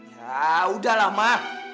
yaudah lah ma